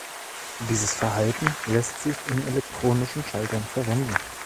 Dieses Verhalten lässt sich in elektronischen Schaltern verwenden.